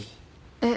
えっ。